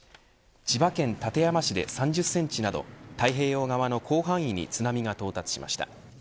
千葉県館山市で３０センチなど太平洋側の広範囲に津波が到達しました。